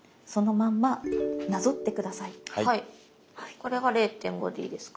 これは０．５でいいですか？